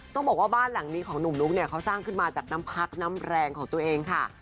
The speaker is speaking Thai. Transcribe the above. ต้องบอกว่าบ้านหลังนี้ของหนุ่มนุ๊กเนี่ยเขาสร้างขึ้นมาจากน้ำพักน้ำแรงของตัวเองค่ะ